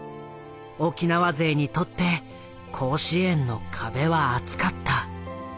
沖縄勢にとって甲子園の壁は厚かった。